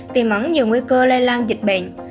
tìm ẩn nhiều nguy cơ lây lan dịch bệnh